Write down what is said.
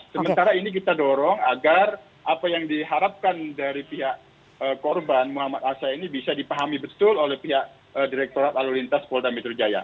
sementara ini kita dorong agar apa yang diharapkan dari pihak korban muhammad asya ini bisa dipahami betul oleh pihak direkturat alulintas polda mitrujaya